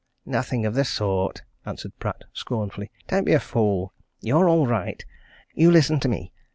"Nothing of the sort!" answered Pratt scornfully. "Don't be a fool! You're all right. You listen to me.